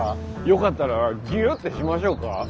よかったらギュッてしましょうか？